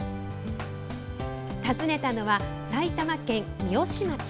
訪ねたのは埼玉県三芳町。